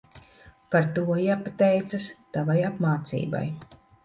Par to jāpateicas tavai apmācībai.